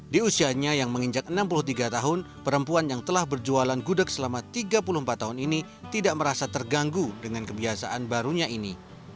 di usianya yang menginjak enam puluh tiga tahun perempuan yang telah berjualan gudeg selama tiga puluh empat tahun ini tidak merasa terganggu dengan kebiasaan barunya ini